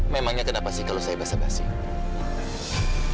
memangnya kenapa sih kalau saya basah basi